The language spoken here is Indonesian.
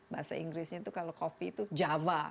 bahasa inggrisnya itu kalau kopi itu java